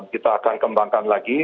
kita akan kembangkan lagi